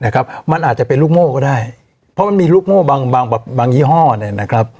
นะครับมันอาจจะเป็นลูกโม่ก็ได้เพราะมันมีลูกโม่บางบางยี่ห้อเนี่ยนะครับ